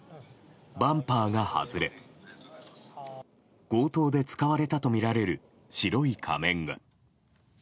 バンパーが外れ強盗で使われたとみられる白い仮面が。